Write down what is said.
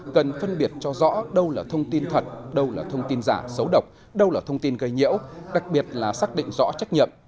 cần phân biệt cho rõ đâu là thông tin thật đâu là thông tin giả xấu độc đâu là thông tin gây nhiễu đặc biệt là xác định rõ trách nhiệm